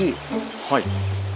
はい。